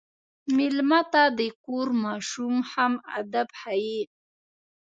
مېلمه ته د کور ماشوم هم ادب ښيي.